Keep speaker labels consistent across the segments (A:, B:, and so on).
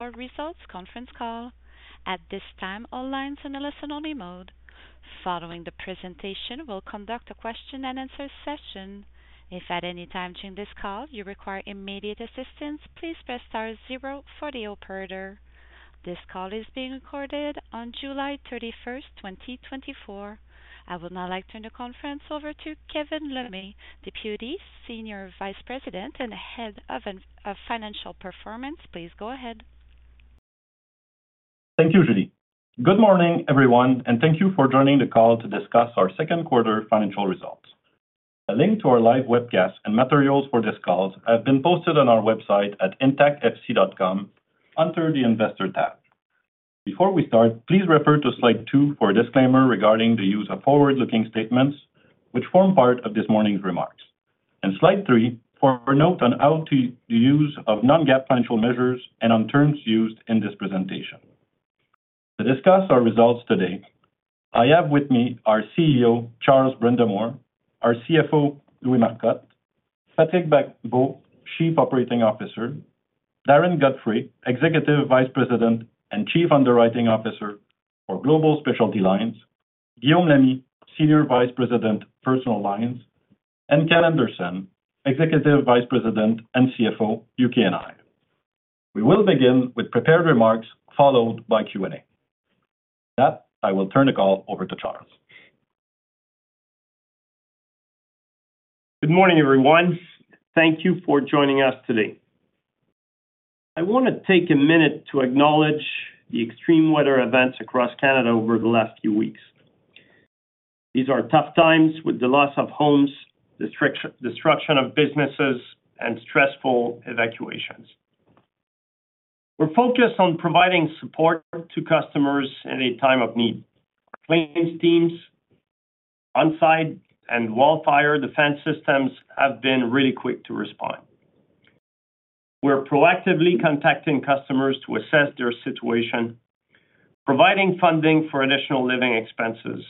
A: Results conference call. At this time, all lines are in a listen-only mode. Following the presentation, we'll conduct a question-and-answer session. If at any time during this call you require immediate assistance, please press star zero for the operator. This call is being recorded on July 31, 2024. I would now like to turn the conference over to Kevin Lemay, Deputy Senior Vice President and Head of Financial Performance. Please go ahead.
B: Thank you, Julie. Good morning, everyone, and thank you for joining the call to discuss our second quarter financial results. A link to our live webcast and materials for this call have been posted on our website at intactfc.com under the Investor tab. Before we start, please refer to slide two for a disclaimer regarding the use of forward-looking statements, which form part of this morning's remarks, and slide three for a note on the use of non-GAAP financial measures and on terms used in this presentation. To discuss our results today, I have with me our CEO, Charles Brindamour, our CFO, Louis Marcotte, Patrick Barbeau, Chief Operating Officer, Darren Godfrey, Executive Vice President and Chief Underwriting Officer for Global Specialty Lines, Guillaume Lamy, Senior Vice President, Personal Lines, and Ken Anderson, Executive Vice President and CFO, UK & I. We will begin with prepared remarks, followed by Q&A. With that, I will turn the call over to Charles.
C: Good morning, everyone. Thank you for joining us today. I want to take a minute to acknowledge the extreme weather events across Canada over the last few weeks. These are tough times with the loss of homes, destruction of businesses, and stressful evacuations. We're focused on providing support to customers in a time of need. Claims teams on side and Wildfire Defense Systems have been really quick to respond. We're proactively contacting customers to assess their situation, providing funding for additional living expenses,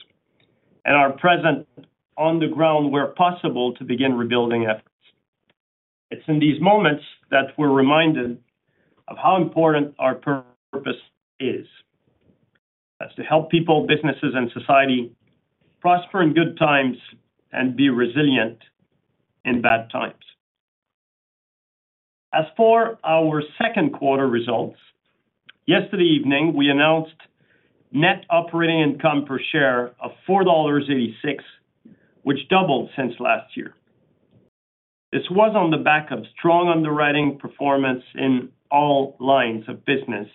C: and are present on the ground where possible to begin rebuilding efforts. It's in these moments that we're reminded of how important our purpose is. That's to help people, businesses, and society prosper in good times and be resilient in bad times. As for our second quarter results, yesterday evening, we announced net operating income per share of 4.86 dollars, which doubled since last year. This was on the back of strong underwriting performance in all lines of business,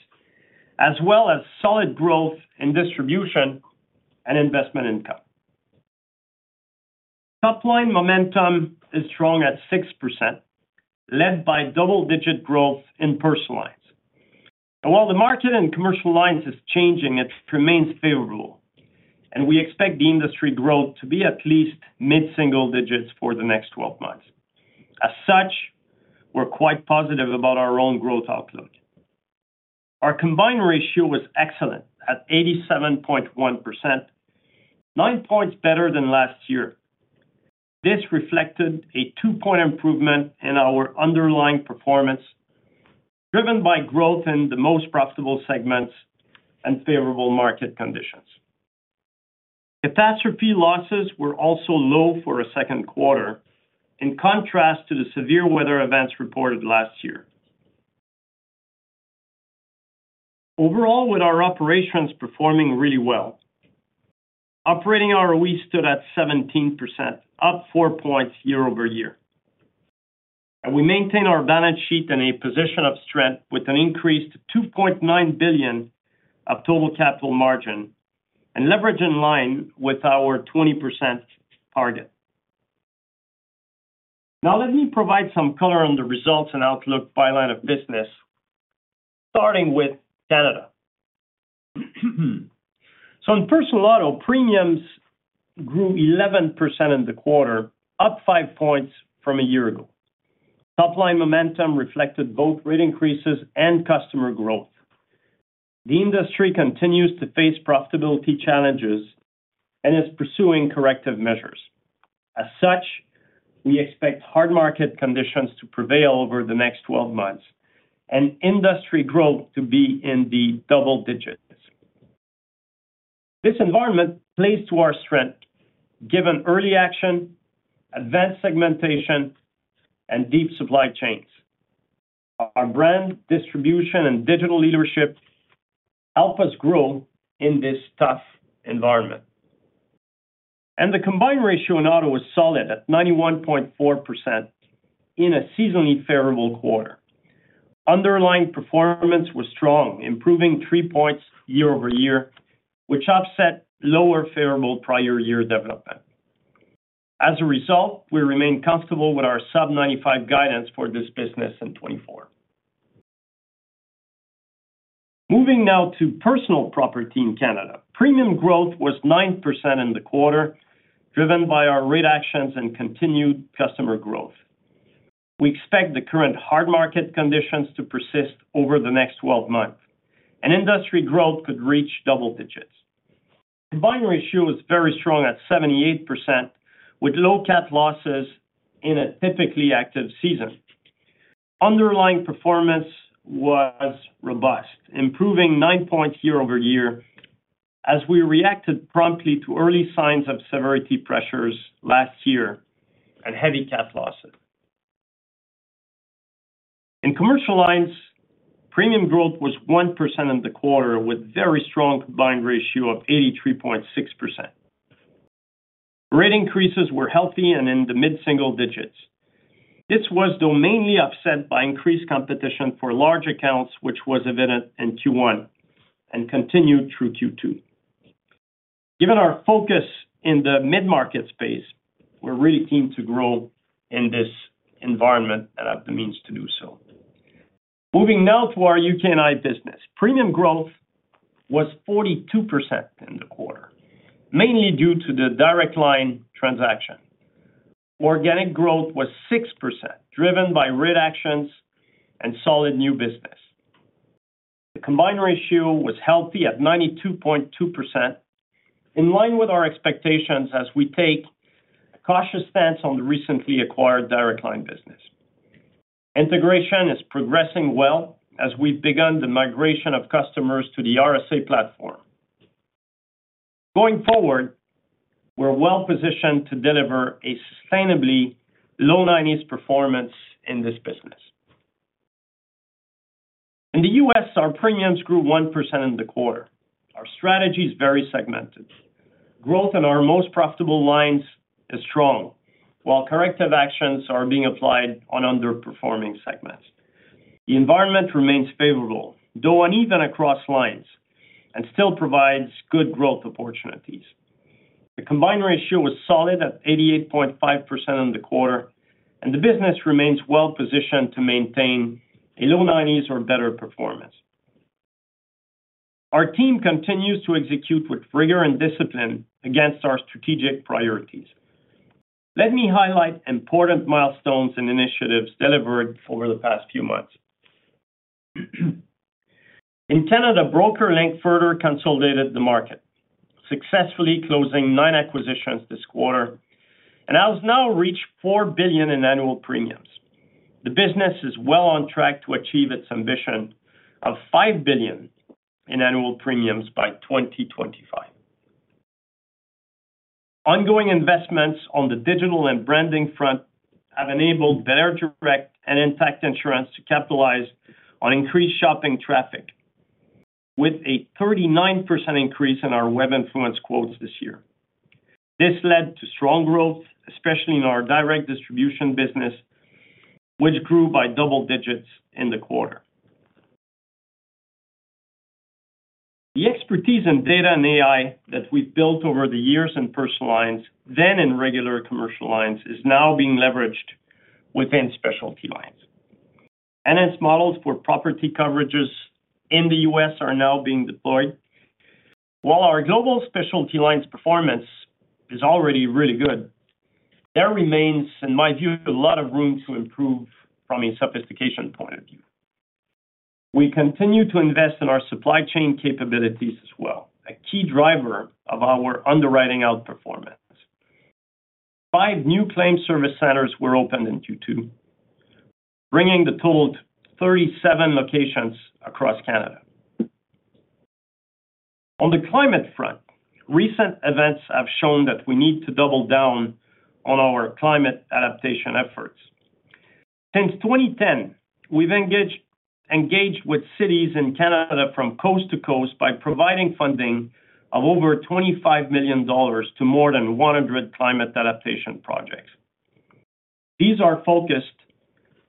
C: as well as solid growth in distribution and investment income. Top line momentum is strong at 6%, led by double-digit growth in personal lines. And while the market and commercial lines is changing, it remains favorable, and we expect the industry growth to be at least mid-single digits for the next 12 months. As such, we're quite positive about our own growth outlook. Our combined ratio was excellent at 87.1%, 9 points better than last year. This reflected a 2-point improvement in our underlying performance, driven by growth in the most profitable segments and favorable market conditions. Catastrophe losses were also low for a second quarter, in contrast to the severe weather events reported last year. Overall, with our operations performing really well, operating ROE stood at 17%, up 4 points year-over-year. We maintain our balance sheet in a position of strength with an increase to 2.9 billion of total capital margin and leverage in line with our 20% target. Now, let me provide some color on the results and outlook by line of business, starting with Canada. In personal auto, premiums grew 11% in the quarter, up 5 points from a year ago. Top line momentum reflected both rate increases and customer growth. The industry continues to face profitability challenges and is pursuing corrective measures. As such, we expect hard market conditions to prevail over the next 12 months and industry growth to be in the double digits. This environment plays to our strength, given early action, advanced segmentation, and deep supply chains. Our brand distribution and digital leadership help us grow in this tough environment. The combined ratio in auto was solid at 91.4% in a seasonally favorable quarter. Underlying performance was strong, improving 3 points year-over-year, which offset lower favorable prior year development. As a result, we remain comfortable with our sub-95 guidance for this business in 2024. Moving now to personal property in Canada. Premium growth was 9% in the quarter, driven by our rate actions and continued customer growth. We expect the current hard market conditions to persist over the next 12 months, and industry growth could reach double digits. Combined ratio is very strong at 78%, with low cat losses in a typically active season. Underlying performance was robust, improving 9 points year-over-year, as we reacted promptly to early signs of severity pressures last year and heavy cat losses. In commercial lines, premium growth was 1% in the quarter, with very strong combined ratio of 83.6%. Rate increases were healthy and in the mid-single digits. This was though mainly upset by increased competition for large accounts, which was evident in Q1 and continued through Q2. Given our focus in the mid-market space, we're really keen to grow in this environment and have the means to do so. Moving now to our UK and I business. Premium growth was 42% in the quarter, mainly due to the Direct Line transaction. Organic growth was 6%, driven by rate actions and solid new business. The combined ratio was healthy at 92.2%, in line with our expectations as we take a cautious stance on the recently acquired Direct Line business. Integration is progressing well as we've begun the migration of customers to the RSA platform. Going forward, we're well-positioned to deliver a sustainably low 90s performance in this business. In the U.S., our premiums grew 1% in the quarter. Our strategy is very segmented. Growth in our most profitable lines is strong, while corrective actions are being applied on underperforming segments. The environment remains favorable, though uneven across lines, and still provides good growth opportunities. The combined ratio was solid at 88.5% in the quarter, and the business remains well positioned to maintain a low 90s or better performance. Our team continues to execute with rigor and discipline against our strategic priorities. Let me highlight important milestones and initiatives delivered over the past few months. In Canada, BrokerLink further consolidated the market, successfully closing 9 acquisitions this quarter, and has now reached 4 billion in annual premiums. The business is well on track to achieve its ambition of 5 billion in annual premiums by 2025. Ongoing investments on the digital and branding front have enabled belairdirect and Intact Insurance to capitalize on increased shopping traffic, with a 39% increase in our web funnel quotes this year. This led to strong growth, especially in our direct distribution business, which grew by double digits in the quarter. The expertise in data and AI that we've built over the years in personal lines, then in regular commercial lines, is now being leveraged within specialty lines. NS models for property coverages in the U.S. are now being deployed. While our global specialty lines performance is already really good, there remains, in my view, a lot of room to improve from a sophistication point of view. We continue to invest in our supply chain capabilities as well, a key driver of our underwriting outperformance. 5 new claim service centers were opened in Q2, bringing the total to 37 locations across Canada. On the climate front, recent events have shown that we need to double down on our climate adaptation efforts. Since 2010, we've engaged with cities in Canada from coast to coast by providing funding of over 25 million dollars to more than 100 climate adaptation projects. These are focused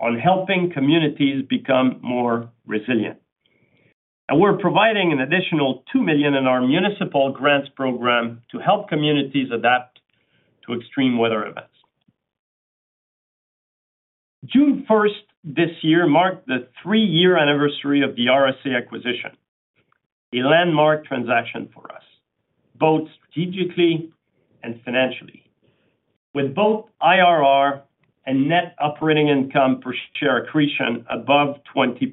C: on helping communities become more resilient, and we're providing an additional 2 million in our municipal grants program to help communities adapt to extreme weather events. June 1st, this year, marked the 3-year anniversary of the RSA acquisition, a landmark transaction for us, both strategically and financially, with both IRR and net operating income per share accretion above 20%.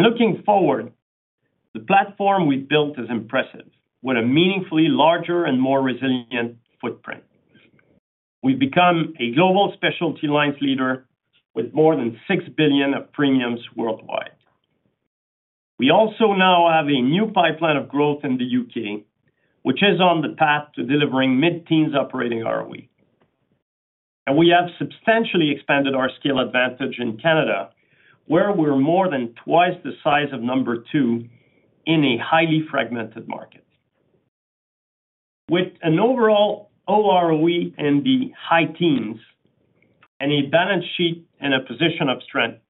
C: Looking forward, the platform we've built is impressive, with a meaningfully larger and more resilient footprint. We've become a global specialty lines leader with more than 6 billion of premiums worldwide. We also now have a new pipeline of growth in the UK, which is on the path to delivering mid-teens operating ROE. We have substantially expanded our scale advantage in Canada, where we're more than twice the size of number two in a highly fragmented market. With an overall OROE in the high teens and a balance sheet in a position of strength,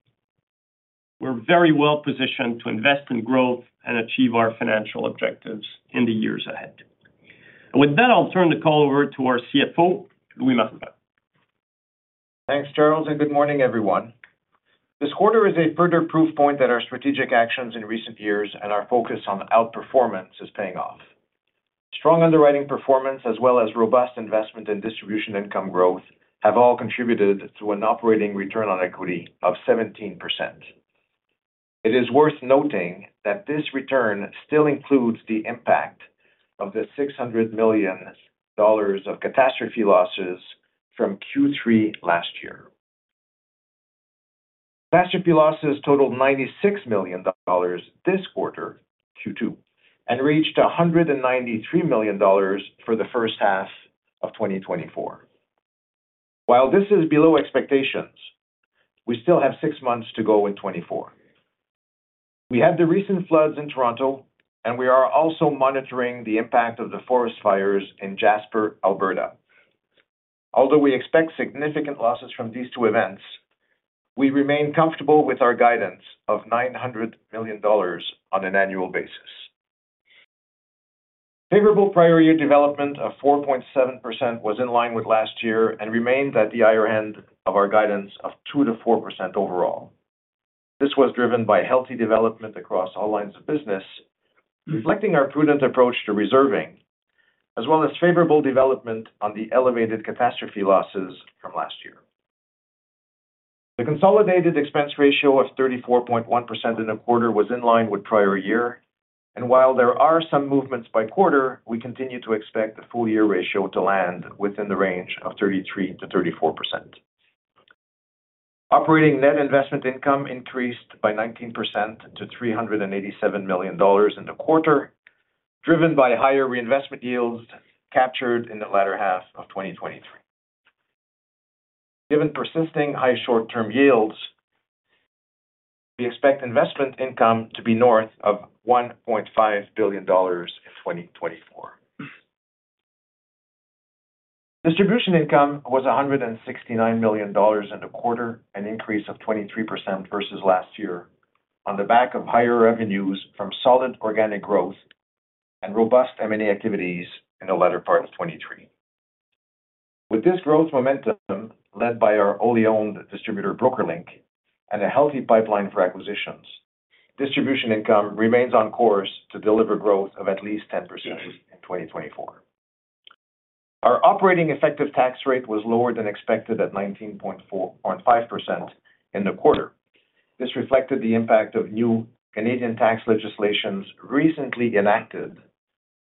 C: we're very well positioned to invest in growth and achieve our financial objectives in the years ahead. With that, I'll turn the call over to our CFO, Louis Marcotte.
D: Thanks, Charles, and good morning, everyone. This quarter is a further proof point that our strategic actions in recent years and our focus on outperformance is paying off. Strong underwriting performance, as well as robust investment and distribution income growth, have all contributed to an operating return on equity of 17%.... It is worth noting that this return still includes the impact of the 600 million dollars of catastrophe losses from Q3 last year. Catastrophe losses totaled 96 million dollars this quarter, Q2, and reached 193 million dollars for the first half of 2024. While this is below expectations, we still have six months to go in 2024. We had the recent floods in Toronto, and we are also monitoring the impact of the forest fires in Jasper, Alberta. Although we expect significant losses from these two events, we remain comfortable with our guidance of 900 million dollars on an annual basis. Favorable prior year development of 4.7% was in line with last year and remains at the higher end of our guidance of 2%-4% overall. This was driven by healthy development across all lines of business, reflecting our prudent approach to reserving, as well as favorable development on the elevated catastrophe losses from last year. The consolidated expense ratio of 34.1% in the quarter was in line with prior year, and while there are some movements by quarter, we continue to expect the full year ratio to land within the range of 33%-34%. Operating net investment income increased by 19% to 387 million dollars in the quarter, driven by higher reinvestment yields captured in the latter half of 2023. Given persisting high short-term yields, we expect investment income to be north of 1.5 billion dollars in 2024. Distribution income was 169 million dollars in the quarter, an increase of 23% versus last year, on the back of higher revenues from solid organic growth and robust M&A activities in the latter part of 2023. With this growth momentum, led by our wholly owned distributor, BrokerLink, and a healthy pipeline for acquisitions, distribution income remains on course to deliver growth of at least 10% in 2024. Our operating effective tax rate was lower than expected at 19.4-19.5% in the quarter. This reflected the impact of new Canadian tax legislations recently enacted,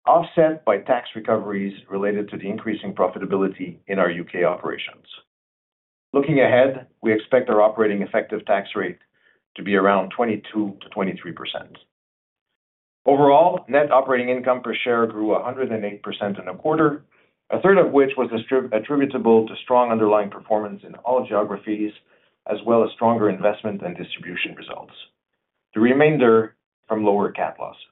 D: offset by tax recoveries related to the increasing profitability in our UK operations. Looking ahead, we expect our operating effective tax rate to be around 22%-23%. Overall, net operating income per share grew 108% in a quarter, a third of which was attributable to strong underlying performance in all geographies, as well as stronger investment and distribution results, the remainder from lower cat losses.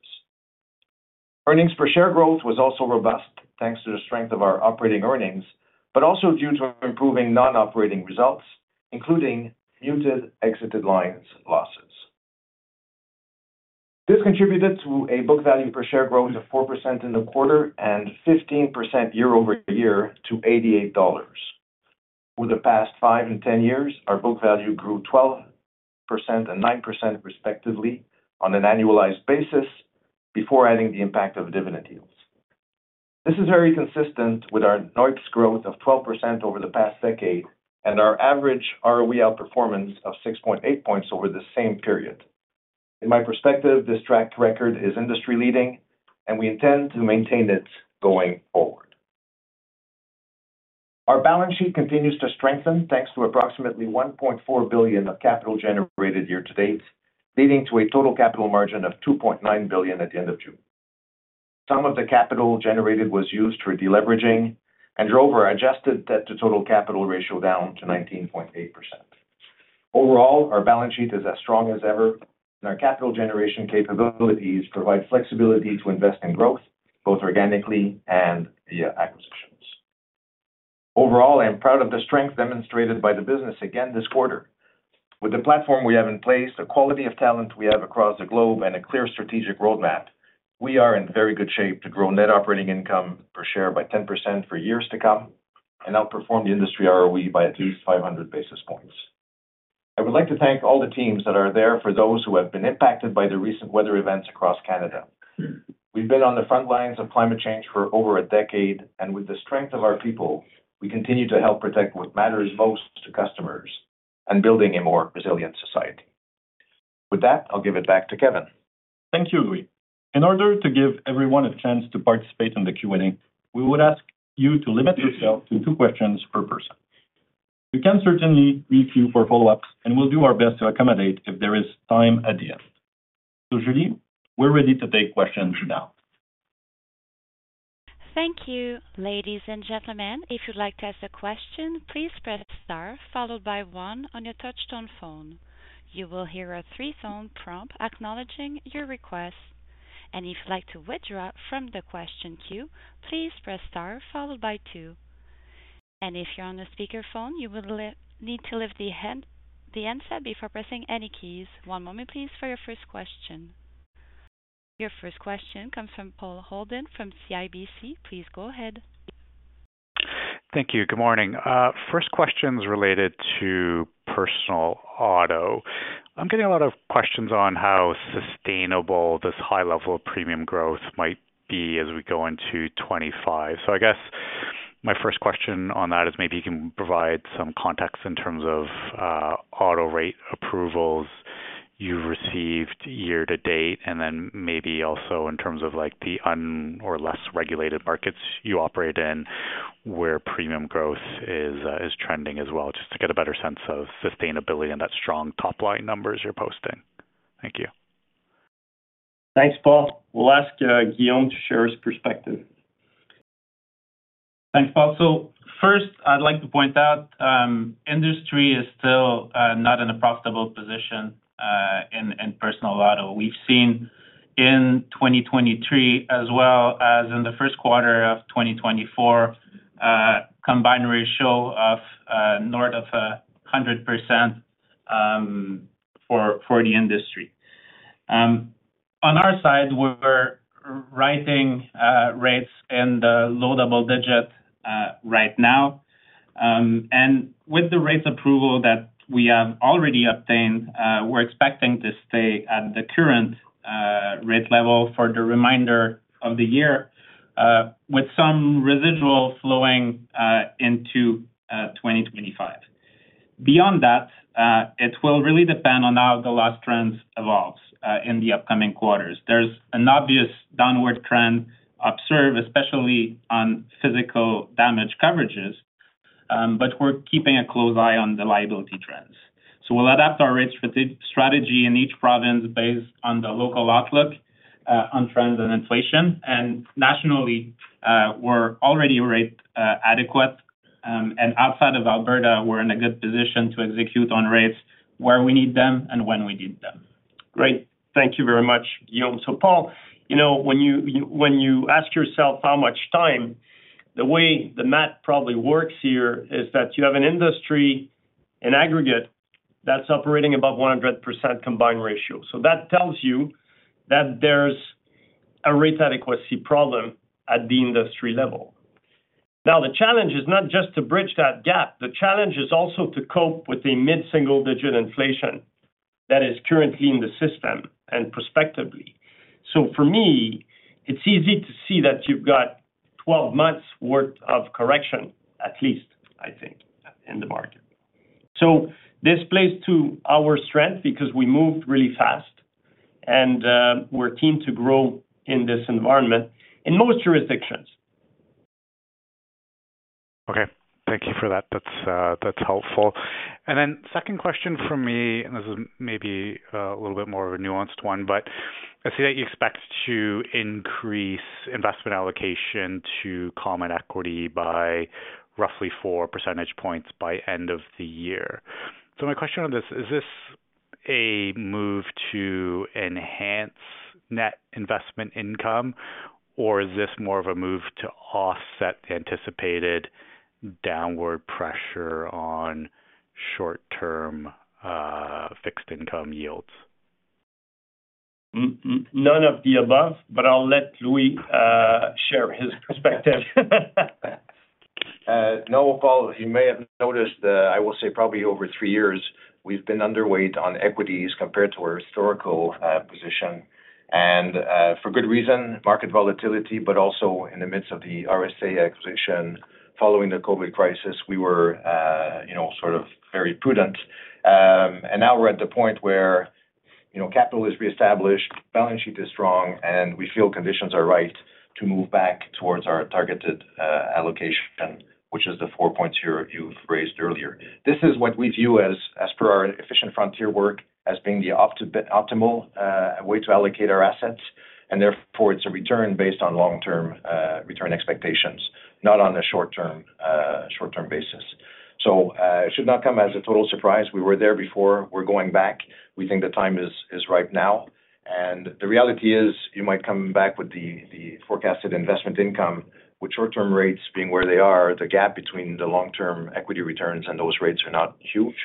D: Earnings per share growth was also robust, thanks to the strength of our operating earnings, but also due to improving non-operating results, including muted exited lines losses. This contributed to a book value per share growth of 4% in the quarter and 15% year over year to 88 dollars. Over the past 5 and 10 years, our book value grew 12% and 9%, respectively, on an annualized basis before adding the impact of dividend yields. This is very consistent with our NOI's growth of 12% over the past decade and our average ROE outperformance of 6.8 points over the same period. In my perspective, this track record is industry-leading, and we intend to maintain it going forward. Our balance sheet continues to strengthen, thanks to approximately 1.4 billion of capital generated year to date, leading to a total capital margin of 2.9 billion at the end of June. Some of the capital generated was used for deleveraging and drove our adjusted debt to total capital ratio down to 19.8%. Overall, our balance sheet is as strong as ever, and our capital generation capabilities provide flexibility to invest in growth, both organically and via acquisitions. Overall, I am proud of the strength demonstrated by the business again this quarter. With the platform we have in place, the quality of talent we have across the globe, and a clear strategic roadmap, we are in very good shape to grow net operating income per share by 10% for years to come and outperform the industry ROE by at least 500 basis points. I would like to thank all the teams that are there for those who have been impacted by the recent weather events across Canada. We've been on the front lines of climate change for over a decade, and with the strength of our people, we continue to help protect what matters most to customers and building a more resilient society. With that, I'll give it back to Kevin.
B: Thank you, Louis. In order to give everyone a chance to participate in the Q&A, we would ask you to limit yourself to two questions per person. We can certainly reach you for follow-ups, and we'll do our best to accommodate if there is time at the end. Julie, we're ready to take questions now.
A: Thank you. Ladies and gentlemen, if you'd like to ask a question, please press star followed by one on your touchtone phone. You will hear a three-tone prompt acknowledging your request, and if you'd like to withdraw from the question queue, please press star followed by two. And if you're on a speakerphone, you will need to lift the handset before pressing any keys. One moment, please, for your first question. Your first question comes from Paul Holden from CIBC. Please go ahead.
E: Thank you. Good morning. First question is related to personal auto. I'm getting a lot of questions on how sustainable this high level of premium growth might be as we go into 2025. My first question on that is maybe you can provide some context in terms of auto rate approvals you've received year to date, and then maybe also in terms of, like, the un- or less regulated markets you operate in, where premium growth is trending as well, just to get a better sense of sustainability and that strong top-line numbers you're posting. Thank you.
C: Thanks, Paul. We'll ask Guillaume to share his perspective.
F: Thanks, Paul. So first, I'd like to point out, industry is still not in a profitable position in Personal Auto. We've seen in 2023, as well as in the first quarter of 2024, Combined Ratio of north of 100% for the industry. On our side, we're writing rates in the low double digit right now. And with the rates approval that we have already obtained, we're expecting to stay at the current rate level for the remainder of the year, with some residual flowing into 2025. Beyond that, it will really depend on how the loss trends evolves in the upcoming quarters. There's an obvious downward trend observed, especially on physical damage coverages, but we're keeping a close eye on the liability trends. So we'll adapt our rate strategy in each province based on the local outlook, on trends and inflation. And nationally, we're already rate adequate. And outside of Alberta, we're in a good position to execute on rates where we need them and when we need them.
C: Great. Thank you very much, Guillaume. So, Paul, you know, when you ask yourself how much time, the way the math probably works here is that you have an industry, in aggregate, that's operating above 100% combined ratio. So that tells you that there's a rate adequacy problem at the industry level. Now, the challenge is not just to bridge that gap. The challenge is also to cope with a mid-single digit inflation that is currently in the system and prospectively. So for me, it's easy to see that you've got 12 months worth of correction, at least, I think, in the market. So this plays to our strength because we moved really fast, and we're keen to grow in this environment in most jurisdictions.
E: Okay. Thank you for that. That's, that's helpful. And then second question from me, and this is maybe a little bit more of a nuanced one, but I see that you expect to increase investment allocation to common equity by roughly four percentage points by end of the year. So my question on this, is this a move to enhance net investment income, or is this more of a move to offset anticipated downward pressure on short-term, fixed income yields?
C: Mm-mm, none of the above, but I'll let Louis share his perspective.
D: No, Paul, you may have noticed that I will say probably over three years, we've been underweight on equities compared to our historical position, and for good reason, market volatility, but also in the midst of the RSA acquisition. Following the COVID crisis, we were, you know, sort of very prudent. And now we're at the point where, you know, capital is reestablished, balance sheet is strong, and we feel conditions are right to move back towards our targeted allocation, which is the four points here you've raised earlier. This is what we view as, as per our efficient frontier work, as being the optimal way to allocate our assets, and therefore, it's a return based on long-term return expectations, not on a short-term short-term basis. So, it should not come as a total surprise. We were there before. We're going back. We think the time is right now, and the reality is, you might come back with the forecasted investment income, with short-term rates being where they are, the gap between the long-term equity returns and those rates are not huge.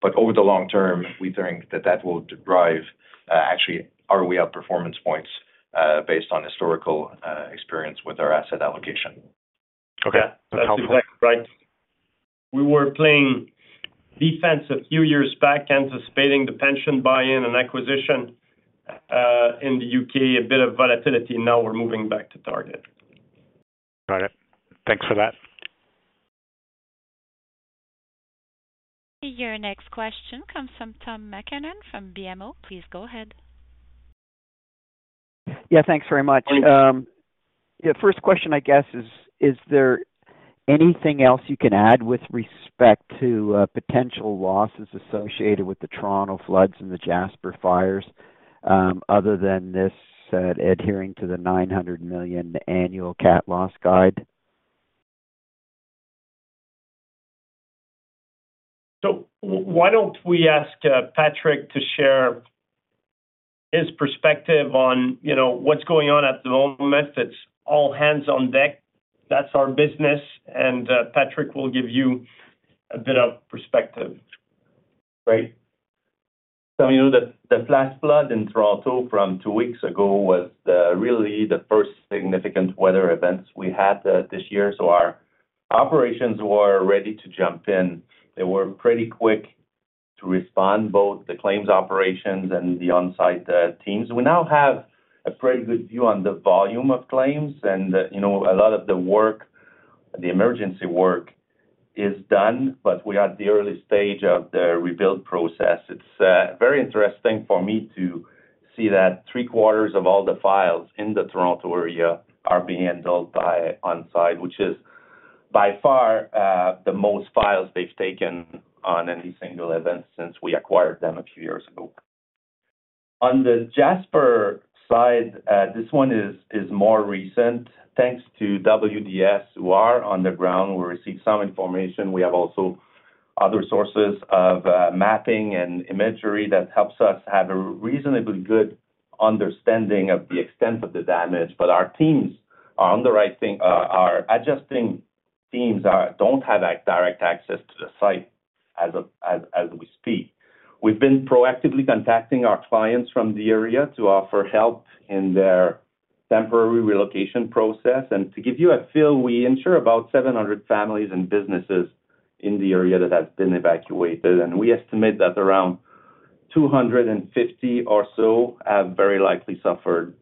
D: But over the long term, we think that will drive, actually, our way up performance points, based on historical experience with our asset allocation.
E: Okay.
C: That's right. We were playing defense a few years back, anticipating the pension buy-in and acquisition in the UK, a bit of volatility. Now we're moving back to target.
E: Got it. Thanks for that.
A: Your next question comes from Tom MacKinnon from BMO. Please go ahead.
G: Yeah, thanks very much. Yeah, first question, I guess, is, is there anything else you can add with respect to potential losses associated with the Toronto floods and the Jasper fires, other than this adhering to the 900 million annual cat loss guide?
C: So why don't we ask Patrick to share his perspective on, you know, what's going on at the moment? It's all hands on deck. That's our business, and Patrick will give you a bit of perspective.
H: Great. So, you know, the last flood in Toronto from two weeks ago was really the first significant weather events we had this year, so our operations were ready to jump in. They were pretty quick.... to respond, both the claims operations and the on-site teams. We now have a pretty good view on the volume of claims and, you know, a lot of the work, the emergency work is done, but we are at the early stage of the rebuild process. It's very interesting for me to see that three-quarters of all the files in the Toronto area are being handled by on-site, which is by far the most files they've taken on any single event since we acquired them a few years ago. On the Jasper side, this one is more recent. Thanks to WDS, who are on the ground, we received some information. We have also other sources of mapping and imagery that helps us have a reasonably good understanding of the extent of the damage. But our teams are on the right thing... Our adjusting teams don't have a direct access to the site as we speak. We've been proactively contacting our clients from the area to offer help in their temporary relocation process. To give you a feel, we insure about 700 families and businesses in the area that has been evacuated, and we estimate that around 250 or so have very likely suffered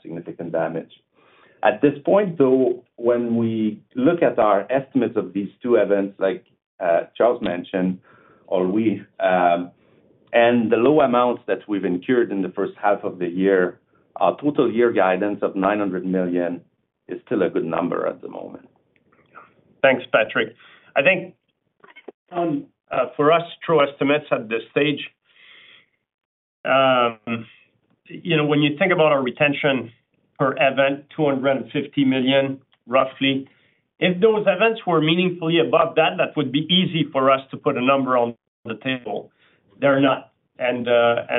H: significant damage. At this point, though, when we look at our estimates of these two events, like Charles mentioned, and the low amounts that we've incurred in the first half of the year, our total year guidance of 900 million is still a good number at the moment.
C: Thanks, Patrick. I think, for us, true estimates at this stage, you know, when you think about our retention per event, 250 million, roughly, if those events were meaningfully above that, that would be easy for us to put a number on the table. They're not, and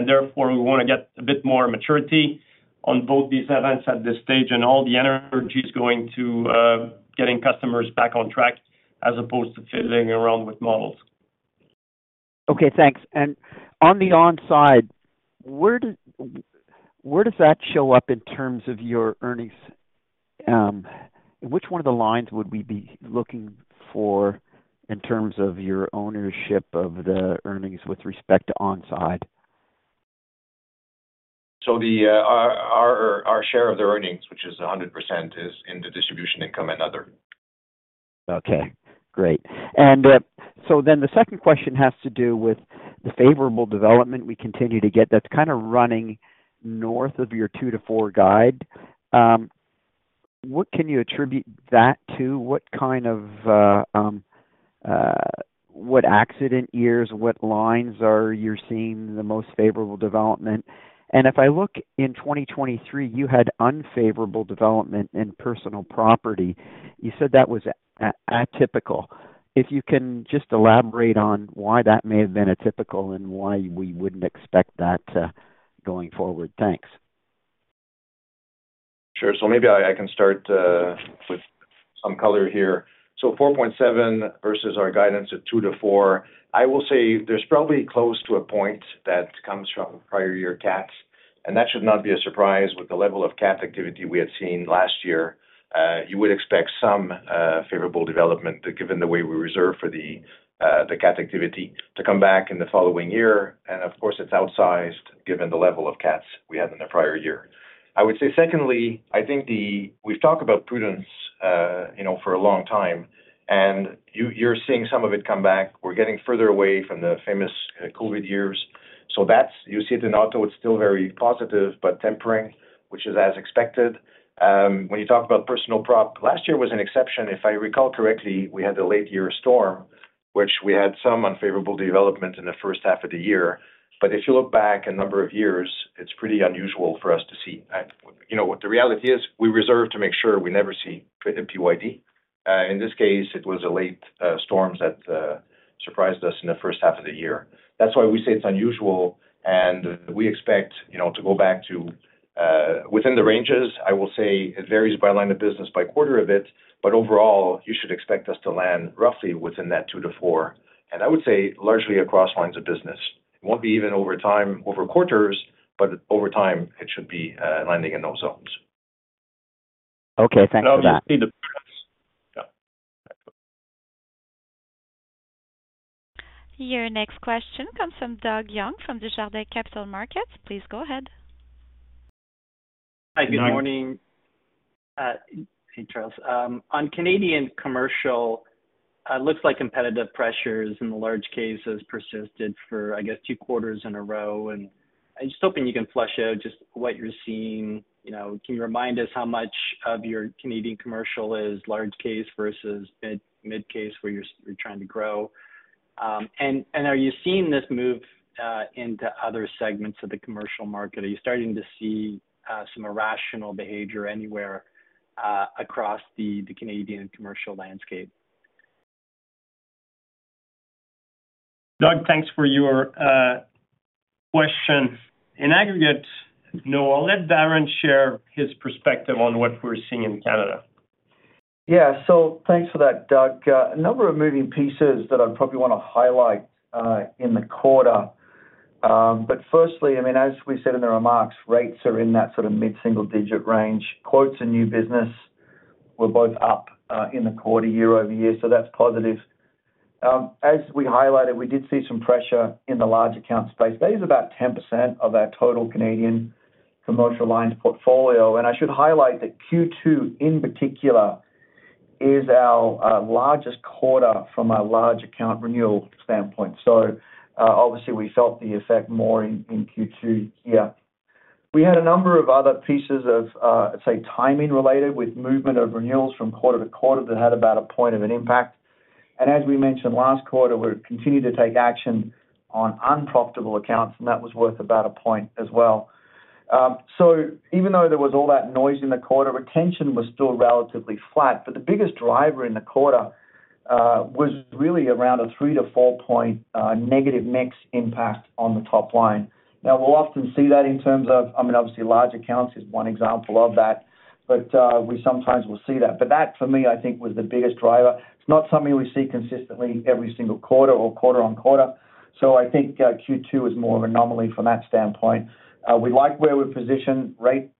C: therefore, we want to get a bit more maturity on both these events at this stage, and all the energy is going to, getting customers back on track as opposed to fiddling around with models.
G: Okay, thanks. And on the On Side, where does, where does that show up in terms of your earnings? Which one of the lines would we be looking for in terms of your ownership of the earnings with respect to On Side?
D: So our share of the earnings, which is 100%, is in the distribution, income and other.
G: Okay, great. And, so then the second question has to do with the favorable development we continue to get that's kind of running north of your 2-4 guide. What can you attribute that to? What kind of, what accident years, what lines are you seeing the most favorable development? And if I look in 2023, you had unfavorable development in Personal Property. You said that was atypical. If you can just elaborate on why that may have been atypical and why we wouldn't expect that, going forward? Thanks.
D: Sure. So maybe I, I can start, with some color here. So 4.7 versus our guidance of 2-4. I will say there's probably close to a point that comes from prior year CATs, and that should not be a surprise with the level of CAT activity we had seen last year. You would expect some, favorable development, given the way we reserve for the, the CAT activity to come back in the following year. And of course, it's outsized, given the level of CATs we had in the prior year. I would say secondly, I think the... We've talked about prudence, you know, for a long time, and you, you're seeing some of it come back. We're getting further away from the famous, COVID years. So that's, you see it in auto, it's still very positive, but tempering, which is as expected. When you talk about personal prop, last year was an exception. If I recall correctly, we had a late-year storm, which we had some unfavorable development in the first half of the year. But if you look back a number of years, it's pretty unusual for us to see. And, you know, what the reality is, we reserve to make sure we never see PYD. In this case, it was a late storms that surprised us in the first half of the year. That's why we say it's unusual, and we expect, you know, to go back to within the ranges. I will say it varies by line of business, by quarter a bit, but overall, you should expect us to land roughly within that 2-4, and I would say largely across lines of business. It won't be even over time, over quarters, but over time it should be, landing in those zones.
G: Okay, thanks for that.
D: Yeah.
A: Your next question comes from Doug Young, from Desjardins Capital Markets. Please go ahead.
C: Hi, good morning.
I: Hey, Charles. On Canadian commercial, looks like competitive pressures in the large cases persisted for, I guess, two quarters in a row, and I'm just hoping you can flesh out just what you're seeing. You know, can you remind us how much of your Canadian commercial is large case versus mid case, where you're trying to grow? Are you seeing this move into other segments of the commercial market? Are you starting to see some irrational behavior anywhere across the Canadian commercial landscape?
C: Doug, thanks for your question. In aggregate, no, I'll let Darren share his perspective on what we're seeing in Canada.
J: Yeah. So thanks for that, Doug. A number of moving pieces that I'd probably want to highlight in the quarter. But firstly, I mean, as we said in the remarks, rates are in that sort of mid-single-digit range. Quotes and new business were both up in the quarter year-over-year, so that's positive. As we highlighted, we did see some pressure in the large account space. That is about 10% of our total Canadian commercial lines portfolio, and I should highlight that Q2, in particular, is our largest quarter from a large account renewal standpoint. So, obviously, we felt the effect more in Q2 here. We had a number of other pieces of, say, timing related with movement of renewals from quarter to quarter that had about a point of an impact. As we mentioned last quarter, we've continued to take action on unprofitable accounts, and that was worth about a point as well. Even though there was all that noise in the quarter, retention was still relatively flat. The biggest driver in the quarter was really around a 3-4 point negative mix impact on the top line. Now, we'll often see that in terms of, I mean, obviously, large accounts is one example of that, but we sometimes will see that. That, for me, I think was the biggest driver. It's not something we see consistently every single quarter or quarter-on-quarter, so I think Q2 is more of an anomaly from that standpoint. We like where we're positioned. Rate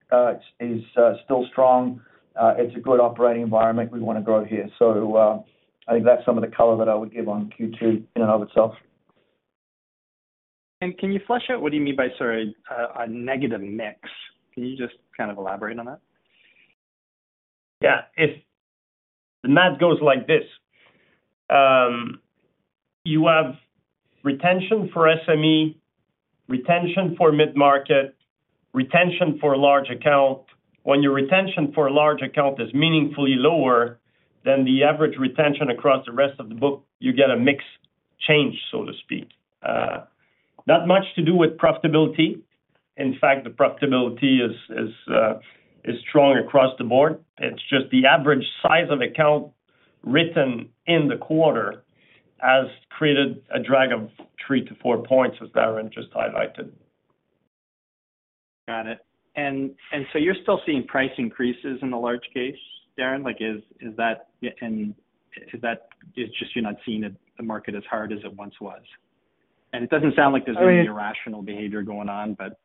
J: is still strong. It's a good operating environment. We wanna grow here. I think that's some of the color that I would give on Q2 in and of itself.
I: Can you flesh out what do you mean by, sorry, a negative mix? Can you just kind of elaborate on that?
J: Yeah. If the math goes like this, you have retention for SME, retention for mid-market, retention for large account. When your retention for a large account is meaningfully lower than the average retention across the rest of the book, you get a mix change, so to speak. Not much to do with profitability. In fact, the profitability is strong across the board. It's just the average size of account written in the quarter has created a drag of 3-4 points, as Darren just highlighted.
I: Got it. And so you're still seeing price increases in the large case, Darren? Like, is that just you're not seeing the market as hard as it once was? And it doesn't sound like there's any-
J: I mean- irrational behavior going on, but,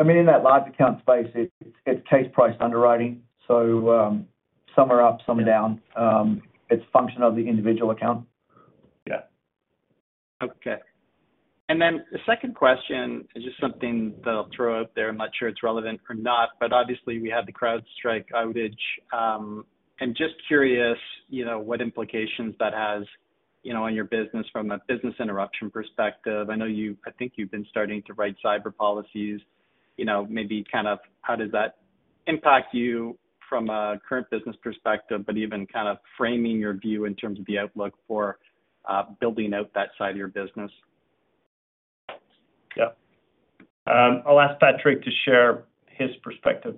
J: yeah. I mean, in that large account space, it's case price underwriting, so some are up, some are down. It's function of the individual account.
C: Yeah.
I: Okay. And then the second question is just something that I'll throw out there. I'm not sure it's relevant or not, but obviously we had the CrowdStrike outage. I'm just curious, you know, what implications that has, you know, on your business from a business interruption perspective. I know you-- I think you've been starting to write cyber policies, you know, maybe kind of how does that impact you from a current business perspective, but even kind of framing your view in terms of the outlook for building out that side of your business?
J: Yeah. I'll ask Patrick to share his perspective.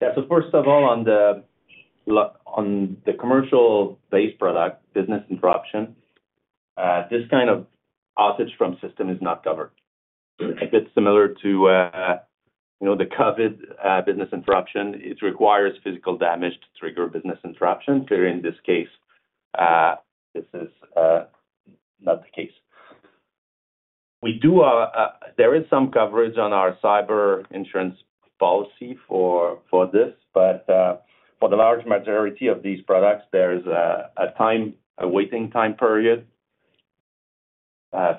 H: Yeah. So first of all, on the commercial base product, business interruption, this kind of outage from system is not covered. It's similar to, you know, the COVID, business interruption. It requires physical damage to trigger business interruption. So in this case, this is not the case. We do... There is some coverage on our cyber insurance policy for this, but for the large majority of these products, there is a time, a waiting time period,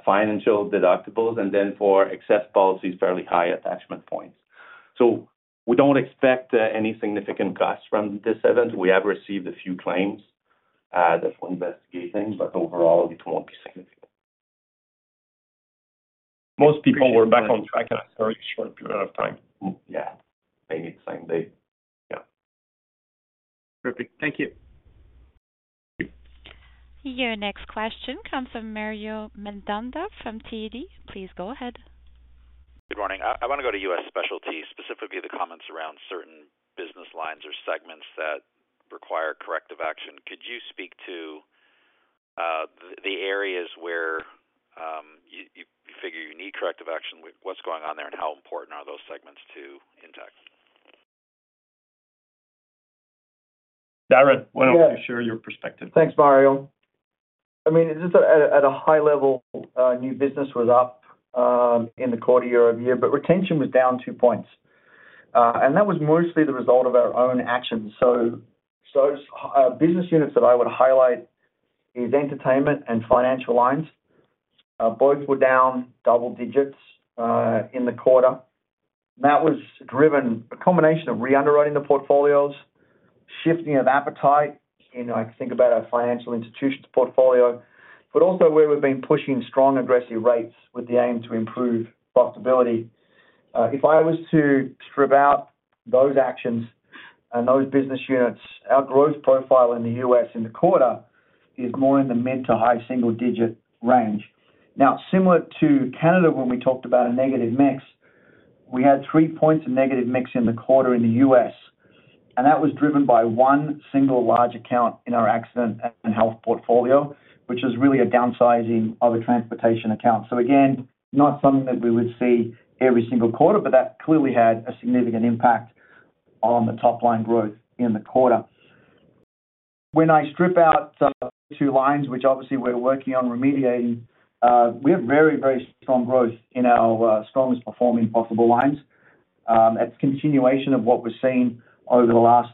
H: financial deductibles, and then for excess policies, fairly high attachment points. So we don't expect any significant costs from this event. We have received a few claims that we're investigating, but overall, it won't be significant.
C: Most people were back on track in a very short period of time.
H: Yeah, maybe the same day. Yeah.
I: Perfect. Thank you.
H: Thank you.
A: Your next question comes from Mario Mendonca from TD. Please go ahead.
K: Good morning. I wanna go to US Specialty, specifically the comments around certain business lines or segments that require corrective action. Could you speak to the areas where you figure you need corrective action? With what's going on there, and how important are those segments to Intact?
C: Darren, why don't you share your perspective?
J: Thanks, Mario. I mean, just at a high level, new business was up, in the quarter year-over-year, but retention was down 2 points. And that was mostly the result of our own actions. So, business units that I would highlight is entertainment and financial lines. Both were down double digits, in the quarter. That was driven a combination of reunderwriting the portfolios, shifting of appetite, you know, I think about our financial institutions portfolio, but also where we've been pushing strong aggressive rates with the aim to improve profitability. If I was to strip out those actions and those business units, our growth profile in the U.S. in the quarter is more in the mid to high single digit range. Now, similar to Canada, when we talked about a negative mix, we had three points of negative mix in the quarter in the U.S., and that was driven by one single large account in our accident and health portfolio, which is really a downsizing of a transportation account. So again, not something that we would see every single quarter, but that clearly had a significant impact on the top line growth in the quarter.... When I strip out two lines, which obviously we're working on remediating, we have very, very strong growth in our, strongest performing possible lines. It's continuation of what we're seeing over the last,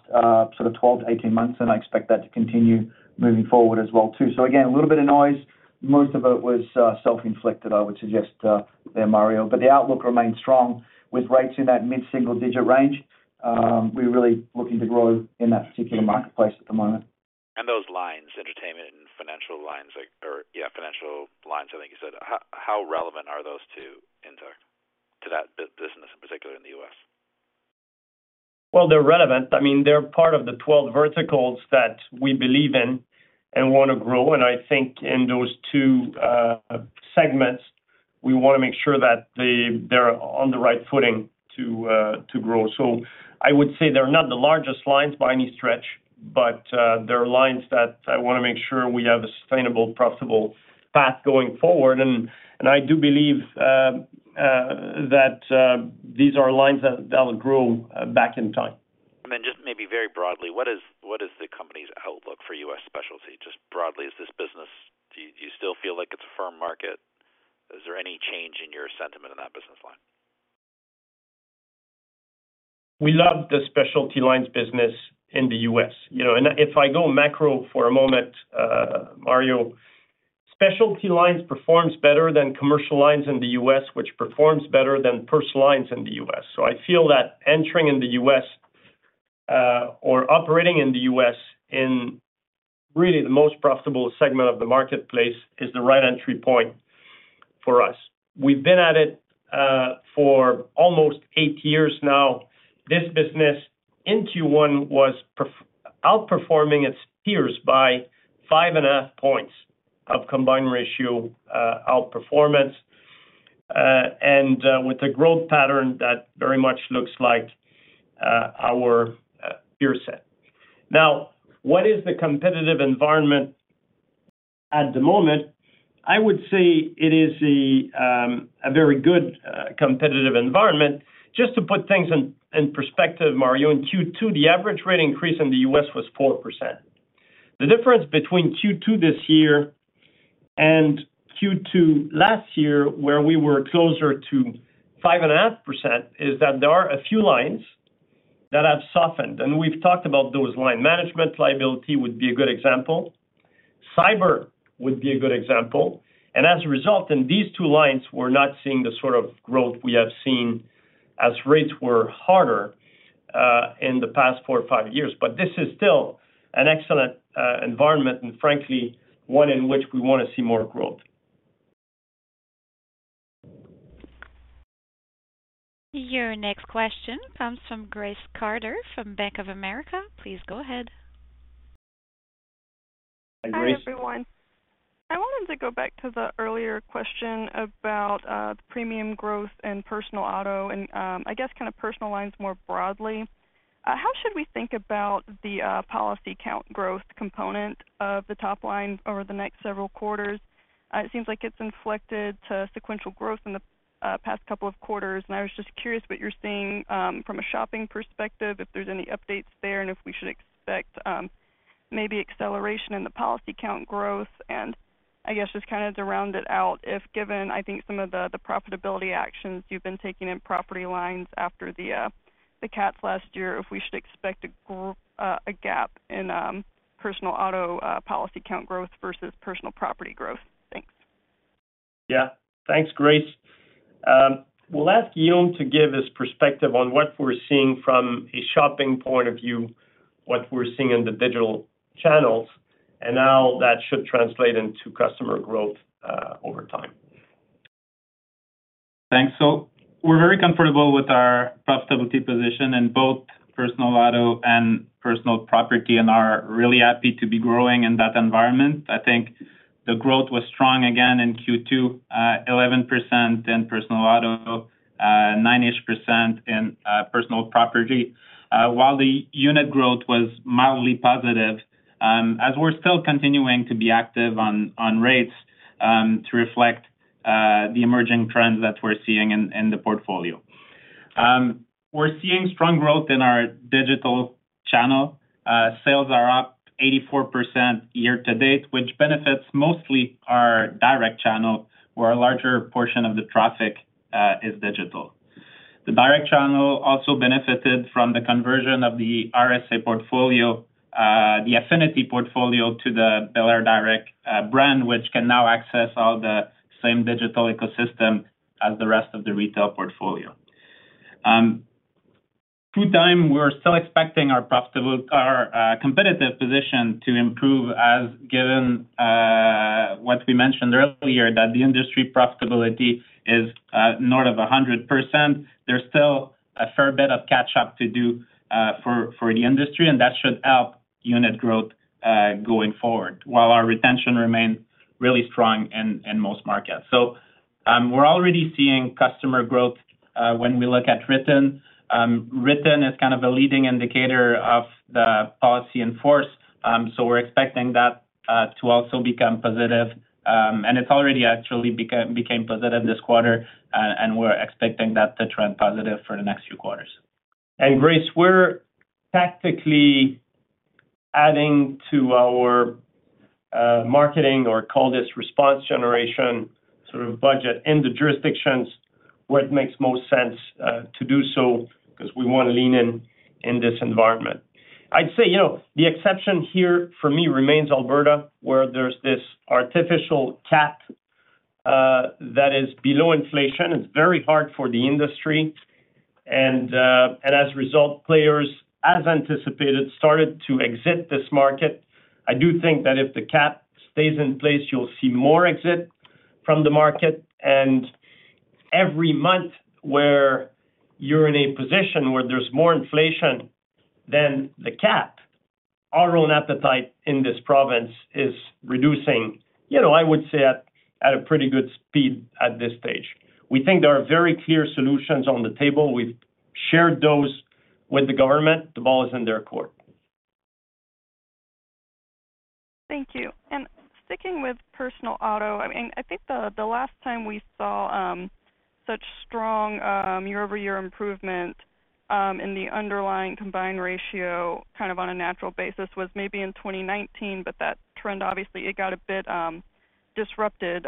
J: sort of 12 to 18 months, and I expect that to continue moving forward as well, too. So again, a little bit of noise. Most of it was, self-inflicted, I would suggest, there, Mario, but the outlook remains strong with rates in that mid-single digit range. We're really looking to grow in that particular marketplace at the moment.
K: Those lines, entertainment and financial lines are—or, yeah, financial lines, I think you said, how relevant are those two to that business, in particular in the U.S.?
C: Well, they're relevant. I mean, they're part of the 12 verticals that we believe in and want to grow. And I think in those two segments, we want to make sure that the-- they're on the right footing to, to grow. So I would say they're not the largest lines by any stretch, but, they're lines that I want to make sure we have a sustainable, profitable path going forward. And, and I do believe, that, these are lines that, that will grow, back in time.
K: Then, just maybe very broadly, what is, what is the company's outlook for U.S. specialty? Just broadly, is this business... Do you still feel like it's a firm market? Is there any change in your sentiment in that business line?
C: We love the specialty lines business in the U.S. You know, and if I go macro for a moment, Mario, specialty lines performs better than commercial lines in the U.S., which performs better than personal lines in the U.S. So I feel that entering in the U.S., or operating in the U.S., in really the most profitable segment of the marketplace, is the right entry point for us. We've been at it, for almost 8 years now. This business in Q1 was outperforming its peers by 5.5 points of combined ratio outperformance, and with a growth pattern that very much looks like our peer set. Now, what is the competitive environment at the moment? I would say it is a very good competitive environment. Just to put things in, in perspective, Mario, in Q2, the average rate increase in the U.S. was 4%. The difference between Q2 this year and Q2 last year, where we were closer to 5.5%, is that there are a few lines that have softened, and we've talked about those lines. Management liability would be a good example, cyber would be a good example, and as a result, in these two lines, we're not seeing the sort of growth we have seen as rates were harder in the past four or five years. But this is still an excellent environment, and frankly, one in which we want to see more growth.
A: Your next question comes from Grace Carter, from Bank of America. Please go ahead.
C: Hi, Grace.
L: Hi, everyone. I wanted to go back to the earlier question about the premium growth in personal auto and I guess kind of personal lines more broadly. How should we think about the policy count growth component of the top line over the next several quarters? It seems like it's inflected to sequential growth in the past couple of quarters, and I was just curious what you're seeing from a shopping perspective, if there's any updates there, and if we should expect maybe acceleration in the policy count growth. And I guess just kind of to round it out, if given, I think some of the profitability actions you've been taking in property lines after the cats last year, if we should expect a gap in personal auto policy count growth versus personal property growth? Thanks.
C: Yeah. Thanks, Grace. We'll ask Yon to give his perspective on what we're seeing from a shopping point of view, what we're seeing in the digital channels, and how that should translate into customer growth over time.
F: Thanks. So we're very comfortable with our profitability position in both personal auto and personal property, and are really happy to be growing in that environment. I think the growth was strong again in Q2, 11% in personal auto, 9-ish% in personal property, while the unit growth was mildly positive, as we're still continuing to be active on rates, to reflect the emerging trends that we're seeing in the portfolio. We're seeing strong growth in our digital channel. Sales are up 84% year to date, which benefits mostly our direct channel, where a larger portion of the traffic is digital. The direct channel also benefited from the conversion of the RSA portfolio, the Affinity portfolio to the belairdirect brand, which can now access all the same digital ecosystem as the rest of the retail portfolio. Through time, we're still expecting our profitable—our competitive position to improve as given what we mentioned earlier, that the industry profitability is north of 100%. There's still a fair bit of catch-up to do for the industry, and that should help unit growth going forward, while our retention remains really strong in most markets. So, we're already seeing customer growth when we look at written. Written is kind of a leading indicator of the policy in force. So we're expecting that to also become positive. And it's already actually became positive this quarter, and we're expecting that to trend positive for the next few quarters. And Grace, we're tactically adding to our, marketing or call this response generation, sort of budget in the jurisdictions where it makes most sense, to do so, because we want to lean in, in this environment. I'd say, you know, the exception here for me remains Alberta, where there's this artificial cap, that is below inflation. It's very hard for the industry, and as a result, players, as anticipated, started to exit this market. I do think that if the cap stays in place, you'll see more exit from the market. And every month where you're in a position where there's more inflation than the cap, our own appetite in this province is reducing, you know, I would say, at a pretty good speed at this stage. We think there are very clear solutions on the table. We've shared those with the government. The ball is in their court.
L: Thank you. Sticking with personal auto, I mean, I think the last time we saw such strong year-over-year improvement in the underlying combined ratio, kind of on a natural basis, was maybe in 2019, but that trend, obviously, it got a bit disrupted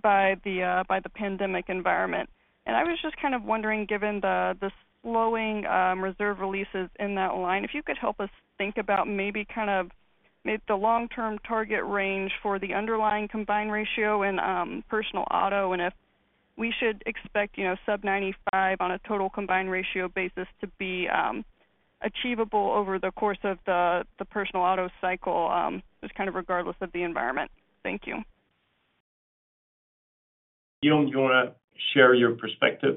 L: by the pandemic environment. I was just kind of wondering, given the slowing reserve releases in that line, if you could help us think about maybe kind of the long-term target range for the underlying combined ratio in personal auto, and if we should expect, you know, sub-95 on a total combined ratio basis to be achievable over the course of the personal auto cycle, just kind of regardless of the environment. Thank you.
C: Guillaume, you want to share your perspective?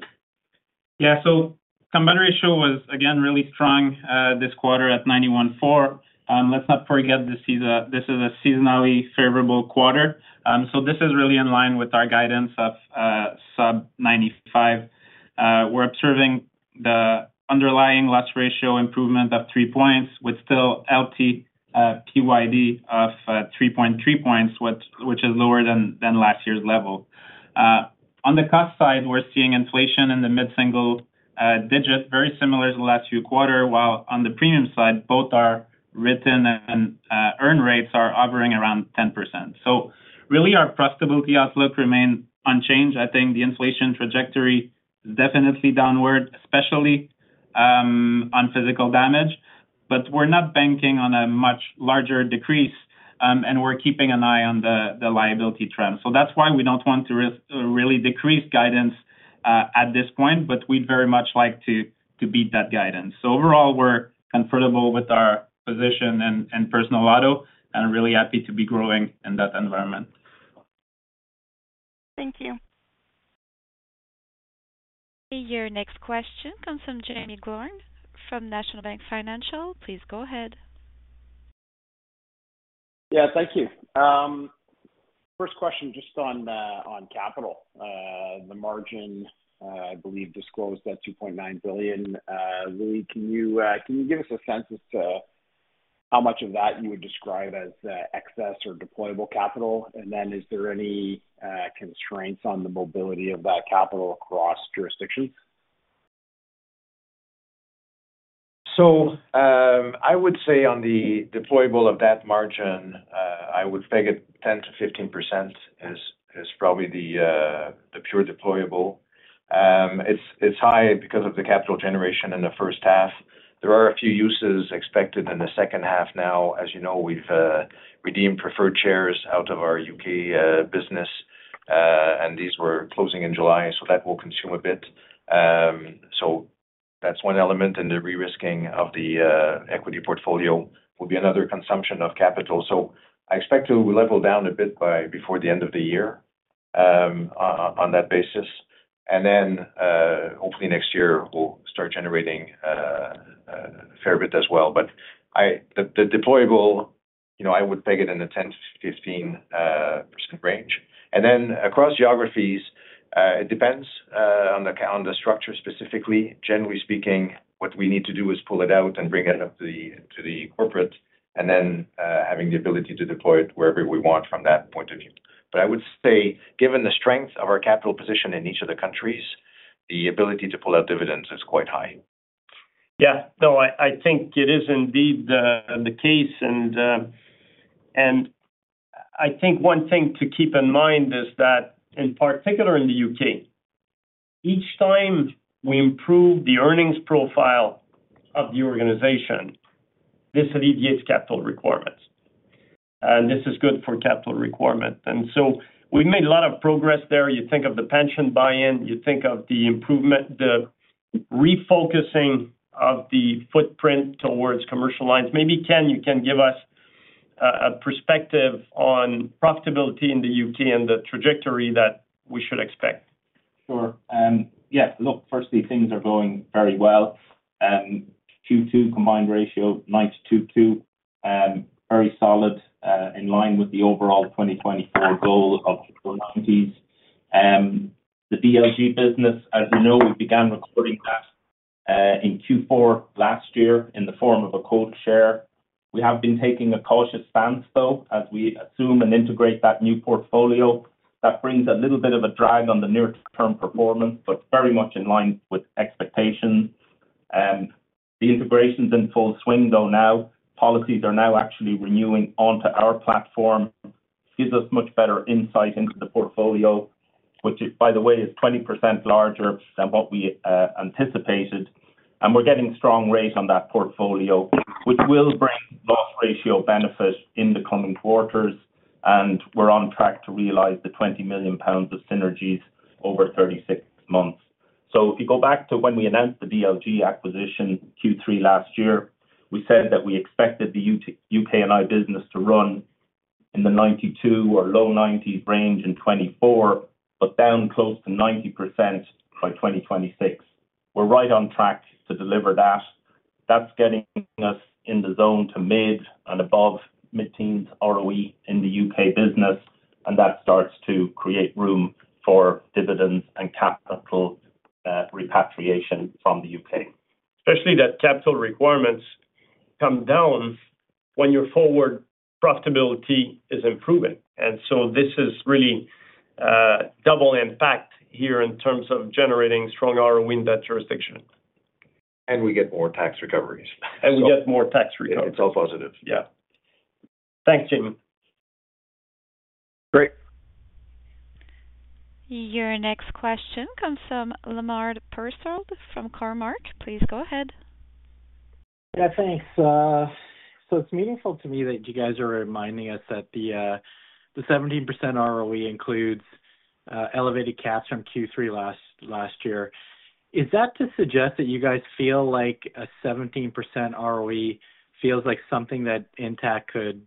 F: Yeah. So combined ratio was again, really strong, this quarter at 91.4. Let's not forget, this is a seasonally favorable quarter. So this is really in line with our guidance of sub-95. We're observing the underlying loss ratio improvement of 3 points, with still LT PYD of 3.3 points, which is lower than last year's level. On the cost side, we're seeing inflation in the mid-single digit, very similar to the last few quarters, while on the premium side, both our written and earn rates are hovering around 10%. So really, our profitability outlook remains unchanged. I think the inflation trajectory is definitely downward, especially on physical damage. But we're not banking on a much larger decrease, and we're keeping an eye on the liability trend. So that's why we don't want to risk really decrease guidance at this point, but we'd very much like to beat that guidance. So overall, we're comfortable with our position in personal auto and really happy to be growing in that environment.
L: Thank you.
A: Your next question comes from Jaeme Gloyn from National Bank Financial. Please go ahead.
M: Yeah, thank you. First question, just on capital. The margin, I believe, disclosed at 2.9 billion. Louis, can you give us a sense as to how much of that you would describe as excess or deployable capital? And then is there any constraints on the mobility of that capital across jurisdictions?
D: So, I would say on the deployable of that margin, I would peg it 10%-15% as probably the pure deployable. It's high because of the capital generation in the first half. There are a few uses expected in the second half. Now, as you know, we've redeemed preferred shares out of our UK business, and these were closing in July, so that will consume a bit. So that's one element, and the risking of the equity portfolio will be another consumption of capital. So I expect to level down a bit by before the end of the year, on that basis. And then, hopefully next year, we'll start generating a fair bit as well. But the deployable, you know, I would peg it in the 10%-15% range. And then across geographies, it depends on the capital structure, specifically. Generally speaking, what we need to do is pull it out and bring it up to the corporate, and then having the ability to deploy it wherever we want from that point of view. But I would say, given the strength of our capital position in each of the countries, the ability to pull out dividends is quite high.
C: Yeah. So I, I think it is indeed the, the case. And, and I think one thing to keep in mind is that, in particular in the U.K., each time we improve the earnings profile of the organization, this alleviates capital requirements, and this is good for capital requirement. And so we've made a lot of progress there. You think of the pension buy-in, you think of the improvement, the refocusing of the footprint towards commercial lines. Maybe, Ken, you can give us a, a perspective on profitability in the U.K. and the trajectory that we should expect.
N: Sure. Yeah, look, firstly, things are going very well. Q2 combined ratio, 92.2, very solid, in line with the overall 2024 goal of the 90s. The DLG business, as you know, we began recording that in Q4 last year in the form of a quota share. We have been taking a cautious stance, though, as we assume and integrate that new portfolio. That brings a little bit of a drag on the near-term performance, but very much in line with expectations. And the integration's in full swing, though now, policies are now actually renewing onto our platform, gives us much better insight into the portfolio, which is, by the way, is 20% larger than what we anticipated. And we're getting strong rates on that portfolio, which will bring loss ratio benefit in the coming quarters, and we're on track to realize the 20 million pounds of synergies over 36 months. So if you go back to when we announced the DLG acquisition Q3 last year, we said that we expected the UK&I business to run in the 92 or low 90s range in 2024, but down close to 90% by 2026. We're right on track to deliver that. That's getting us in the zone to mid and above mid-teens ROE in the UK business, and that starts to create room for dividends and capital repatriation from the UK.
C: Especially that capital requirements come down when your forward profitability is improving. And so this is really, double impact here in terms of generating strong ROE in that jurisdiction.
N: We get more tax recoveries.
C: We get more tax recoveries.
N: It's all positive.
C: Yeah. Thanks, Jim.
N: Great.
A: Your next question comes from Lemar Persaud from Cormark. Please go ahead.
O: Yeah, thanks. So it's meaningful to me that you guys are reminding us that the 17% ROE includes elevated cats from Q3 last year. Is that to suggest that you guys feel like a 17% ROE feels like something that Intact could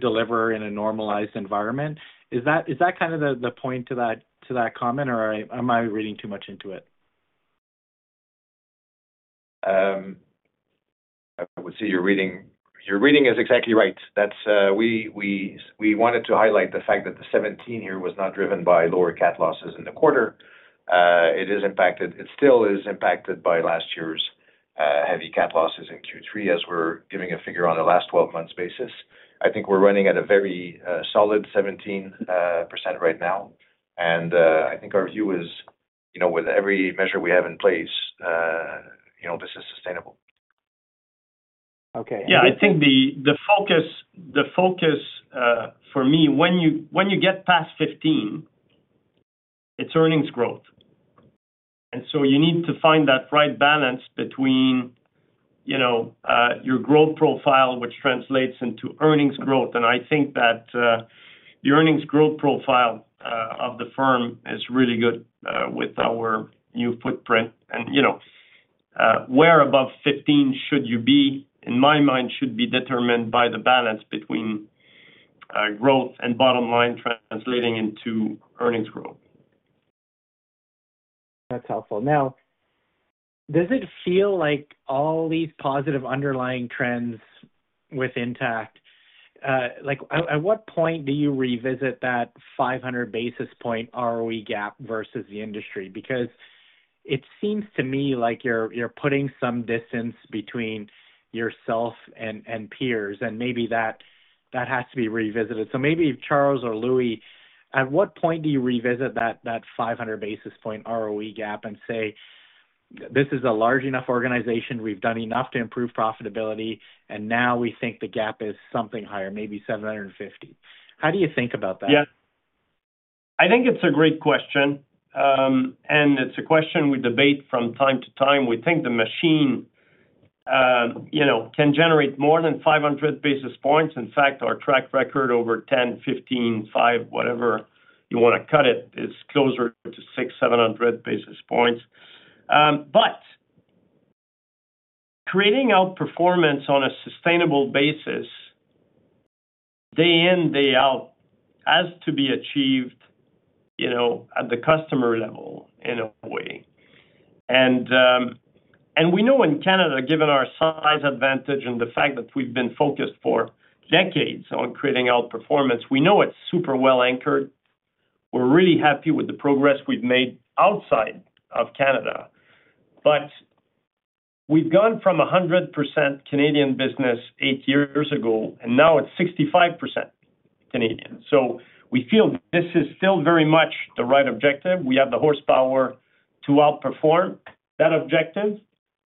O: deliver in a normalized environment? Is that kind of the point to that comment, or am I reading too much into it?
N: I would say your reading is exactly right. That's, we wanted to highlight the fact that the 17 here was not driven by lower cat losses in the quarter. It is impacted... It still is impacted by last year's heavy cat losses in Q3, as we're giving a figure on a last 12 months basis. I think we're running at a very solid 17% right now, and I think our view is, you know, with every measure we have in place, you know, this is sustainable.
O: Okay.
C: Yeah, I think the focus for me, when you get past 15, it's earnings growth. And so you need to find that right balance between, you know, your growth profile, which translates into earnings growth. And I think that the earnings growth profile of the firm is really good with our new footprint. And you know where above 15 should you be, in my mind, should be determined by the balance between growth and bottom line translating into earnings growth.
O: That's helpful. Now, does it feel like all these positive underlying trends with Intact, like, at what point do you revisit that 500 basis point ROE gap versus the industry? Because it seems to me like you're putting some distance between yourself and peers, and maybe that has to be revisited. So maybe Charles or Louis, at what point do you revisit that 500 basis point ROE gap and say, "This is a large enough organization, we've done enough to improve profitability, and now we think the gap is something higher, maybe 750"? How do you think about that?
C: Yeah. I think it's a great question, and it's a question we debate from time to time. We think the machine, you know, can generate more than 500 basis points. In fact, our track record over 10, 15, 5, whatever you wanna cut it, is closer to 600-700 basis points. But creating outperformance on a sustainable basis, day in, day out, has to be achieved, you know, at the customer level in a way. And, and we know in Canada, given our size advantage and the fact that we've been focused for decades on creating outperformance, we know it's super well anchored. We're really happy with the progress we've made outside of Canada. But we've gone from a 100% Canadian business 8 years ago, and now it's 65% Canadian. So we feel this is still very much the right objective. We have the horsepower to outperform that objective,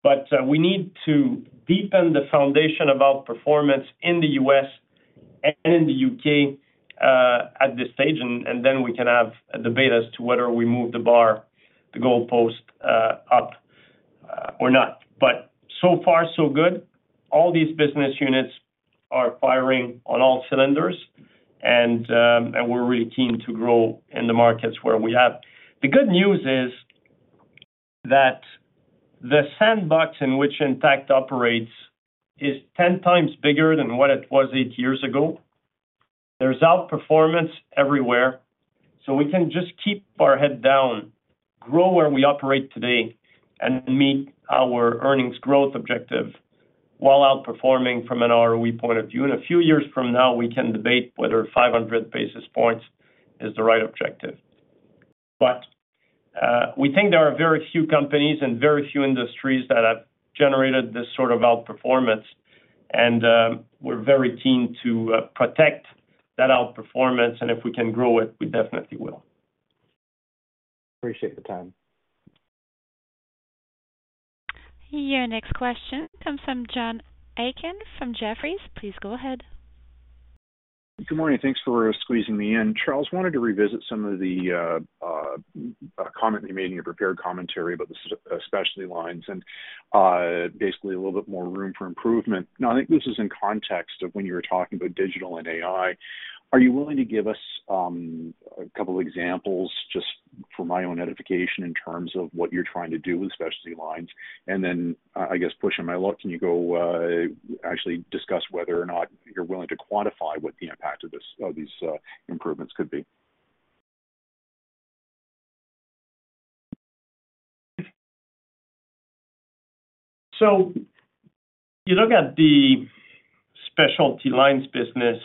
C: but, we need to deepen the foundation of outperformance in the U.S. and in the U.K., at this stage, and then we can have a debate as to whether we move the bar, the goalpost, up, or not. But so far, so good. All these business units are firing on all cylinders, and we're really keen to grow in the markets where we have. The good news is that the sandbox in which Intact operates is 10 times bigger than what it was 8 years ago. There's outperformance everywhere, so we can just keep our head down, grow where we operate today, and meet our earnings growth objective while outperforming from an ROE point of view. In a few years from now, we can debate whether 500 basis points is the right objective.... We think there are very few companies and very few industries that have generated this sort of outperformance, and we're very keen to protect that outperformance, and if we can grow it, we definitely will.
H: Appreciate the time.
A: Your next question comes from John Aiken from Jefferies. Please go ahead.
P: Good morning. Thanks for squeezing me in. Charles, wanted to revisit some of the comment you made in your prepared commentary about the specialty lines, and basically a little bit more room for improvement. Now, I think this is in context of when you were talking about digital and AI. Are you willing to give us a couple examples, just for my own edification, in terms of what you're trying to do with specialty lines? And then, I guess, pushing my luck, can you go actually discuss whether or not you're willing to quantify what the impact of these improvements could be?
C: So you look at the specialty lines business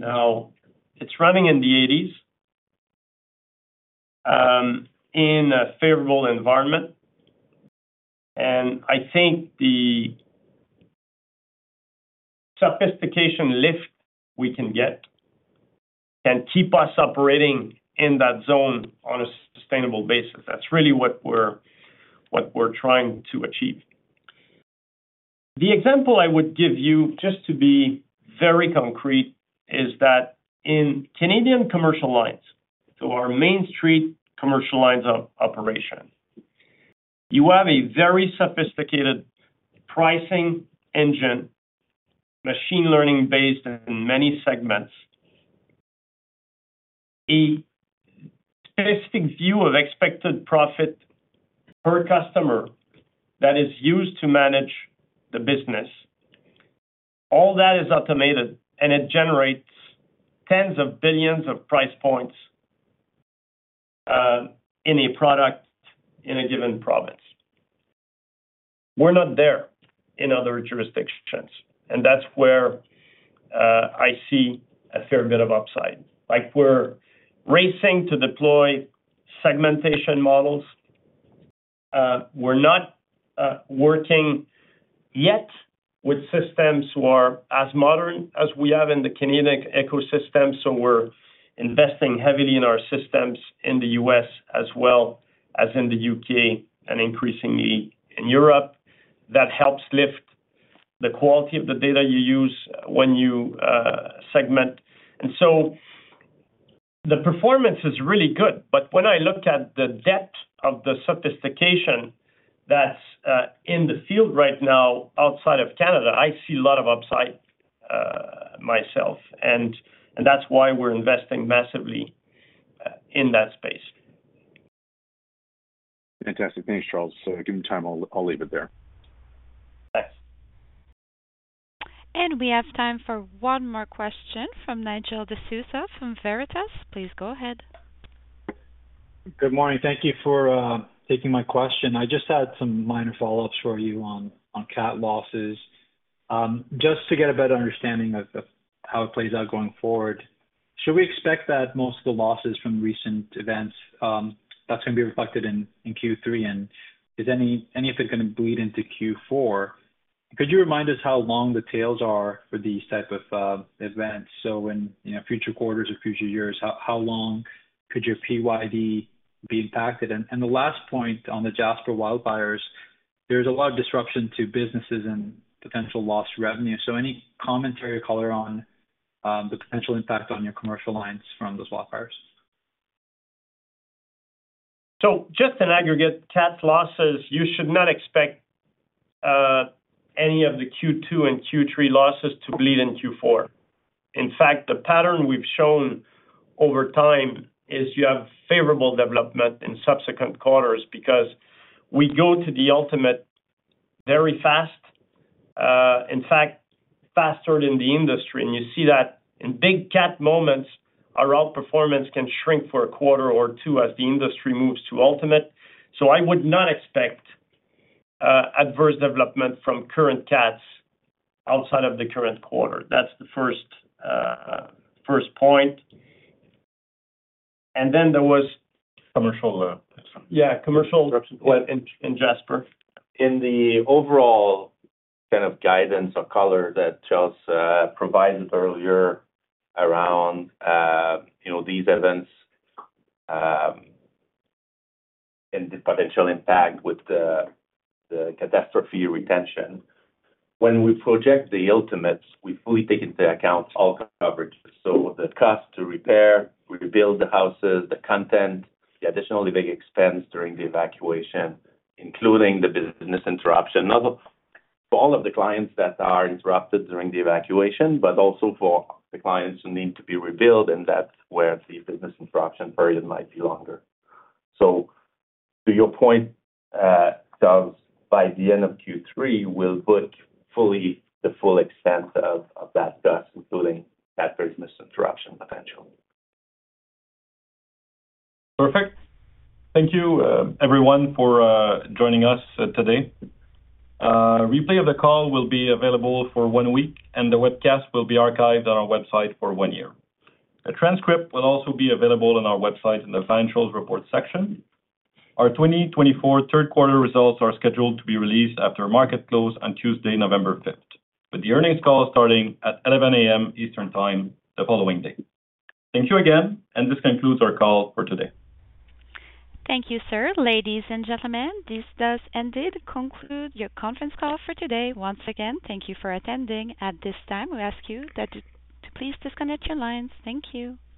C: now, it's running in the eighties in a favorable environment, and I think the sophistication lift we can get can keep us operating in that zone on a sustainable basis. That's really what we're trying to achieve. The example I would give you, just to be very concrete, is that in Canadian Commercial Lines, so our main street commercial lines operation, you have a very sophisticated pricing engine, machine learning-based in many segments, a specific view of expected profit per customer that is used to manage the business. All that is automated, and it generates tens of billions of price points in a product in a given province. We're not there in other jurisdictions, and that's where I see a fair bit of upside. Like, we're racing to deploy segmentation models. We're not working yet with systems who are as modern as we have in the Canadian ecosystem, so we're investing heavily in our systems in the U.S. as well as in the U.K. and increasingly in Europe. That helps lift the quality of the data you use when you segment. And so the performance is really good, but when I look at the depth of the sophistication that's in the field right now outside of Canada, I see a lot of upside myself, and, and that's why we're investing massively in that space.
P: Fantastic. Thanks, Charles. So given time, I'll leave it there.
C: Thanks.
A: We have time for one more question from Nigel D'Souza from Veritas. Please go ahead.
Q: Good morning. Thank you for taking my question. I just had some minor follow-ups for you on cat losses. Just to get a better understanding of how it plays out going forward, should we expect that most of the losses from recent events, that's gonna be reflected in Q3, and is any of it gonna bleed into Q4? Could you remind us how long the tails are for these type of events? So when, you know, future quarters or future years, how long could your PYD be impacted? And the last point on the Jasper wildfires, there's a lot of disruption to businesses and potential lost revenue. So any commentary or color on the potential impact on your commercial lines from those wildfires?
C: So just in aggregate cat losses, you should not expect any of the Q2 and Q3 losses to bleed in Q4. In fact, the pattern we've shown over time is you have favorable development in subsequent quarters because we go to the ultimate very fast, in fact, faster than the industry. And you see that in big cat moments, our outperformance can shrink for a quarter or two as the industry moves to ultimate. So I would not expect adverse development from current cats outside of the current quarter. That's the first point. And then there was-
H: Commercial, something.
C: Yeah, commercial- In Jasper.
H: In the overall kind of guidance or color that Charles provided earlier around, you know, these events, and the potential impact with the catastrophe retention. When we project the ultimates, we fully take into account all coverage. So the cost to repair, rebuild the houses, the content, the additional living expense during the evacuation, including the business interruption, not only for all of the clients that are interrupted during the evacuation, but also for the clients who need to be rebuilt, and that's where the business interruption period might be longer. So to your point, Charles, by the end of Q3, we'll book fully the full extent of that cost, including that business interruption potential.
R: Perfect. Thank you, everyone, for joining us, today. Replay of the call will be available for one week, and the webcast will be archived on our website for one year. A transcript will also be available on our website in the Financial Reports section. Our 2024 third quarter results are scheduled to be released after market close on Tuesday, November fifth, with the earnings call starting at 11:00 A.M. Eastern Time the following day. Thank you again, and this concludes our call for today.
A: Thank you, sir. Ladies and gentlemen, this concludes your conference call for today. Once again, thank you for attending. At this time, we ask you to please disconnect your lines. Thank you.